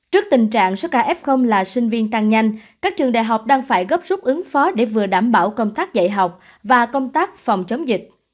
trước tình trạng số ca f là sinh viên tăng nhanh các trường đại học đang phải gấp rút ứng phó để vừa đảm bảo công tác dạy học và công tác phòng chống dịch